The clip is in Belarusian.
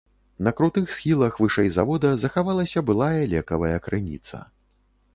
На крутых схілах вышэй завода захавалася былая лекавая крыніца.